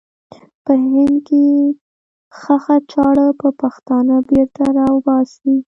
په هند کې ښخه چاړه به پښتانه بېرته را وباسي.